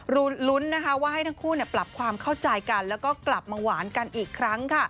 รุ้นนะคะว่าให้ทั้งคู่ปรับความเข้าใจกันแล้วก็กลับมาหวานกันอีกครั้งค่ะ